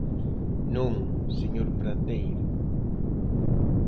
Non, señor Prateiro.